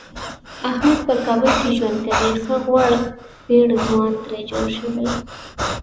احمد په کابل کې ژوند کوي ښه غوړپېړ ځوان ترې جوړ شوی دی.